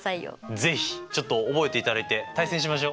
是非ちょっと覚えていただいて対戦しましょ。